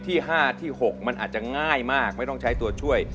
ที่๕ที่๖มันอาจจะง่ายมากไม่ต้องใช้ตัวช่วย